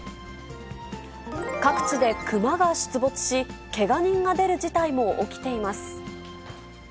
各地で熊が出没し、けが人が出る事態も起きています。